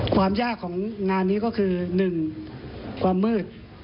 ความยากของงานนี้ก็คือ๑ความมืด